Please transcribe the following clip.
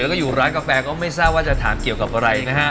แล้วก็อยู่ร้านกาแฟก็ไม่ทราบว่าจะถามเกี่ยวกับอะไรนะฮะ